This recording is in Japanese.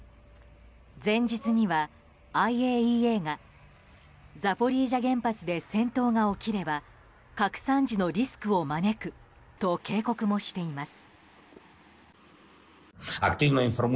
前日にはＩＡＥＡがザポリージャ原発で戦闘が起きれば核惨事のリスクを招くと警告もしています。